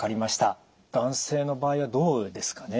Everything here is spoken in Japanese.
男性の場合はどうですかね？